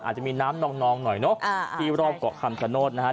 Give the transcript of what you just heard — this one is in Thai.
อาจจะมีน้ำนองหน่อยเนอะที่รอบเกาะคำชโนธนะฮะ